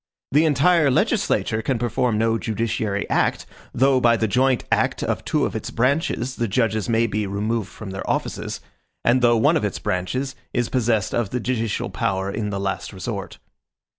The entire legislature can perform no judiciary act, though by the joint act of two of its branches the judges may be removed from their offices, and though one of its branches is possessed of the judicial power in the last resort.